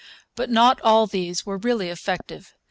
But not all these were really effective.